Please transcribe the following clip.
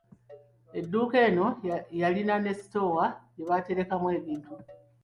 Edduuka eno yalina ne sitoowa gye batereka ebintu.